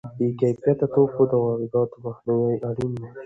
د بې کیفیته توکو د وارداتو مخنیوی اړین دی.